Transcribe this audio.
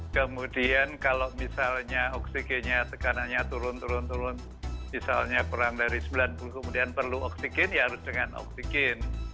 kemudian kalau misalnya oksigennya tekanannya turun turun turun turun misalnya kurang dari sembilan puluh kemudian perlu oksigen ya harus dengan oksigen